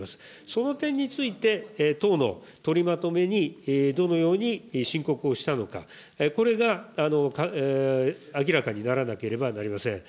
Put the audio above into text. その点について、党の取りまとめにどのように申告をしたのか、これが明らかにならなければなりません。